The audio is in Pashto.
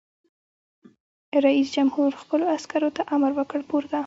رئیس جمهور خپلو عسکرو ته امر وکړ؛ پورته!